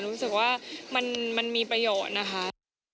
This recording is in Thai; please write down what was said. รู้สึกว่ามันมีประโยชน์นะคะ